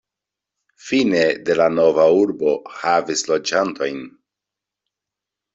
Fine de la nova urbo havis loĝantojn.